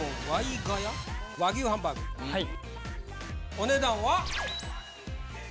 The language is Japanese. お値段は？